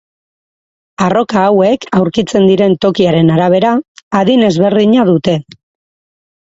Arroka hauek aurkitzen diren tokiaren arabera, adin ezberdina dute.